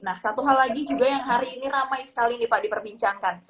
nah satu hal lagi juga yang hari ini ramai sekali nih pak diperbincangkan